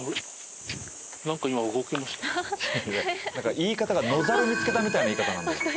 言い方が野猿見つけたみたいな言い方なんだよ。